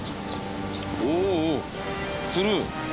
おお釣る？